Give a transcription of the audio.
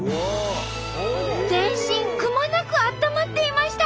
全身くまなくあったまっていました！